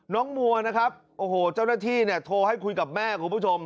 มัวนะครับโอ้โหเจ้าหน้าที่เนี่ยโทรให้คุยกับแม่คุณผู้ชม